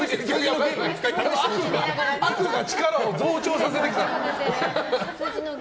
悪が力を増長させてきた。